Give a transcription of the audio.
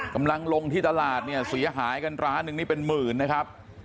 กำลังลงที่ตลาดเนี่ยเสียหายล้านิ้งเป็นหมื่นนายครับ